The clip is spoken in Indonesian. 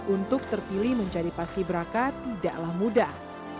untuk terpilih menjadi paski beraka tidaklah mudah